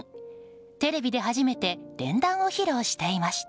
テレビで初めて連弾を披露していました。